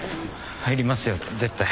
入りますよ絶対。